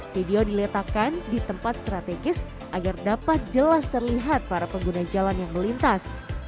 video diletakkan di tempat strategis agar dapat jelas terlihat para pengguna jalan yang melintas